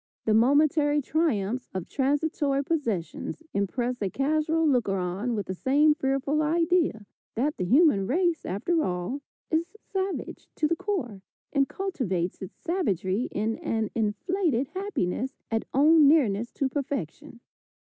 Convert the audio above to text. The momentary triumphs of transitory possessions impress a casual looker on with the same fearful idea that the human race, after all, is savage to the core, and cultivates its savagery in an inflated happiness at own nearness to perfection.